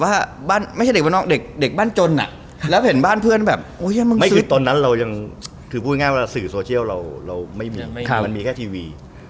ตอนนั้นยุคนั้นเหมือนเด็กบ้านจนแล้วเห็นบ้านเพื่อนแบบโอ้ยมันซื้อทีวี